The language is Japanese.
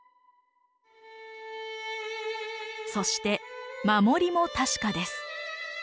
そして守りも確かです。